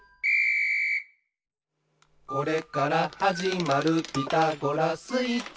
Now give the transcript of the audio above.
「これからはじまる『ピタゴラスイッチ』は」